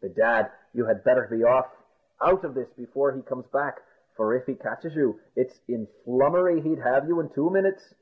Bedad, you had better be off out of this before he comes back; for if he catches you, it's in flummery he'd have you in two minutes."